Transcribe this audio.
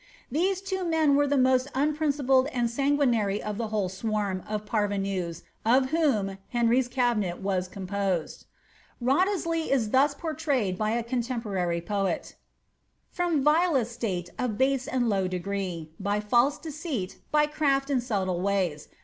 These two men were the most unprincipled and sanguinary of the whole swarm of pturvenues of whom Ueniy^i cabinet was composed. Wriothesley is thus portrayed by a contempo rary poet :— From vile estate of base and low degree. By false deceit, by crali and subtle ways.